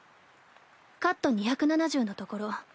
カット２７０のところ。